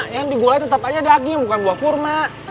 yang digulai tetap aja daging bukan buah kurma